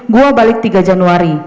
gue balik tiga januari